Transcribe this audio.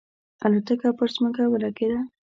الوتکه پر ځمکه ولګېده.